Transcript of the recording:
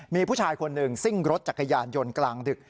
มีผู้ชายคนหนึ่งซิ่งรถจักรยานยนต์กลางดึก